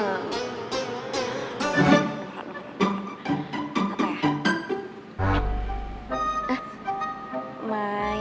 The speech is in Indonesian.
nggak nggak nggak lah